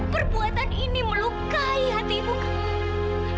perbuatan ini melukai hati ibu kamu